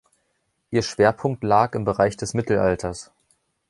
Ihr Schwerpunkt lag im Bereich des Mittelalters.